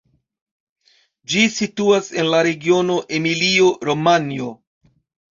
Ĝi situas en la regiono Emilio-Romanjo.